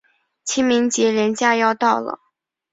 清明节连假要到了